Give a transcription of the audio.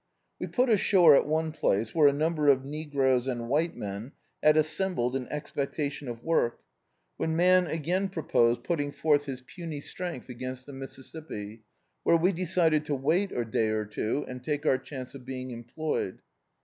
We put ashore at one place where a number of negroes and white men had assembled in expecta don of work, when man again proposed putting Dictzed by Google The House Boat forth his puny strength against the Mississippi, where we decided to wait a day or two and take our chance of being emplc^ed.